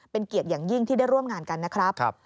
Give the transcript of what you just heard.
เป็นเกียรติอย่างยิ่งที่ได้ร่วมงานกันนะครับ